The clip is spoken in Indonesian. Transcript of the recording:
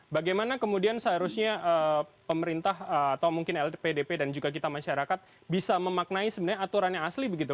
bagaimana kemudian seharusnya pemerintah atau mungkin lpdp dan juga kita masyarakat bisa memaknai sebenarnya aturan yang asli begitu